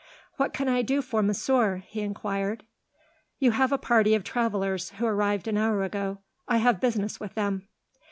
"What can I do for monsieur?" he enquired. "You have a party of travellers, who arrived an hour ago. I have business with them."